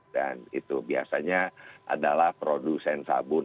dan itu biasanya adalah produsen sabun